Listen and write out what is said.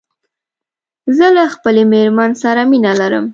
زه له خپلې ميرمن سره مينه لرم